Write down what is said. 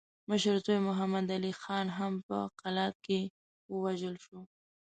مشر زوی محمد علي خان هم په قلات کې ووژل شو.